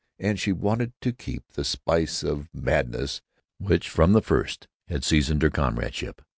And she wanted to keep the spice of madness which from the first had seasoned their comradeship.